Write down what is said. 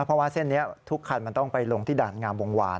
เพราะว่าเส้นนี้ทุกคันมันต้องไปลงที่ด่านงามวงวาน